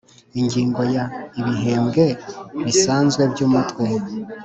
Ingingo ya Ibihembwe bisanzwe by Umutwe